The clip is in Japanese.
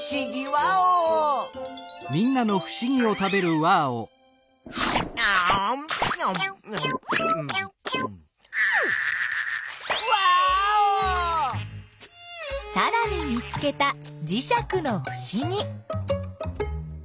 ワーオ！さらに見つけたじしゃくのふしぎ。